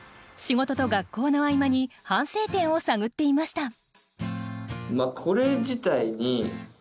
仕事と学校の合間に反省点を探っていました。